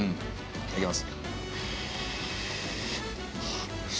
いただきます。